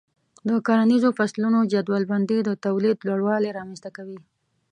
د کرنیزو فصلونو جدول بندي د تولید لوړوالی رامنځته کوي.